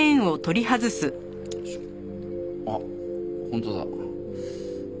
あっ本当だ。